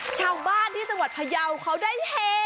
ชาวบ้านที่จังหวัดพยาวเขาได้เฮ